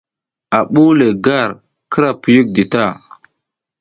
I ɓuw le gar kira piyik di ta.